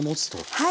はい。